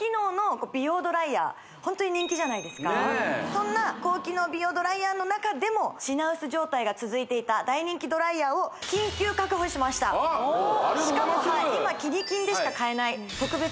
そんな高機能美容ドライヤーの中でも品薄状態が続いていた大人気ドライヤーを緊急確保しましたありがとうございます